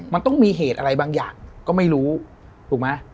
มันต้องมีเหตุอะไรบางอย่างก็ไม่รู้ถูกไหม